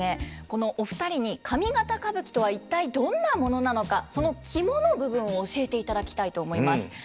このお二人に上方歌舞伎とは一体どんなものなのかその肝の部分を教えていただきたいと思います。